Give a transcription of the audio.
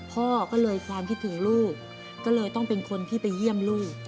พ่อก็เลยความคิดถึงลูกก็เลยต้องเป็นคนที่ไปเยี่ยมลูก